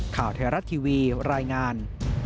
ข่าวไทยรัฐทีวีรายงาน